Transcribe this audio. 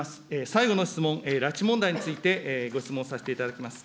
最後の質問、拉致問題についてご質問させていただきます。